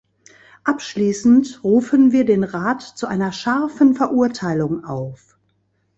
Abschließend rufen wir den Rat zu einer scharfen Verurteilung auf.